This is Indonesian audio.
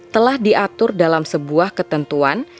telah diatur dalam sebuah ketentuan